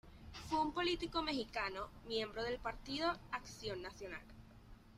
Fue un político mexicano, miembro del Partido Acción Nacional.